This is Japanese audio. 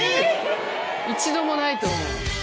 一度もないと思う。